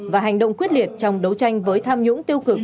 và hành động quyết liệt trong đấu tranh với tham nhũng tiêu cực